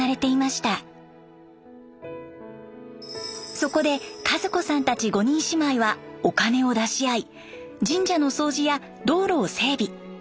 そこで和子さんたち５人姉妹はお金を出し合い神社の掃除や道路を整備。